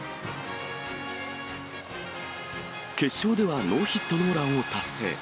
決勝ではノーヒットノーランを達成。